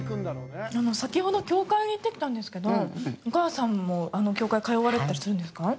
先ほど教会に行ってきたんですけどお母さんもあの教会、通われてたりするんですか？